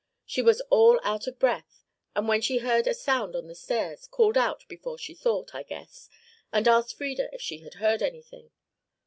She was all out of breath, and, when she heard a sound on the stairs, called out before she thought, I guess, and asked Frieda if she had heard anything.